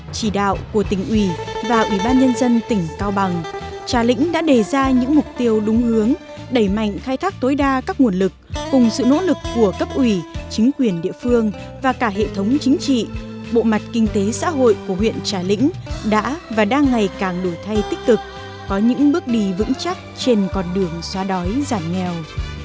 chỉ đạo của tỉnh ủy và ủy ban nhân dân tỉnh cao bằng trà lĩnh đã đề ra những mục tiêu đúng hướng đẩy mạnh khai thác tối đa các nguồn lực cùng sự nỗ lực của cấp ủy chính quyền địa phương và cả hệ thống chính trị bộ mặt kinh tế xã hội của huyện trà lĩnh đã và đang ngày càng đổi thay tích cực có những bước đi vững chắc trên con đường xóa đói giảm nghèo